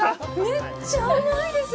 めっちゃ甘いです！